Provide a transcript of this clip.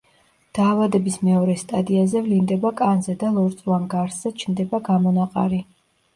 დაავადების მეორე სტადიაზე ვლინდება კანზე და ლორწოვან გარსზე ჩნდება გამონაყარი.